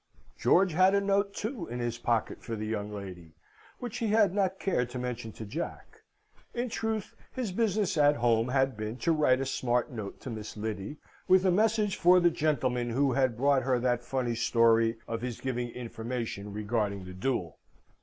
George had a note, too, in his pocket for the young lady, which he had not cared to mention to Jack. In truth, his business at home had been to write a smart note to Miss Lyddy, with a message for the gentleman who had brought her that funny story of his giving information regarding the duel!